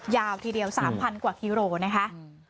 ยาวทีเดียวสามพันกว่าฮิโรนะคะ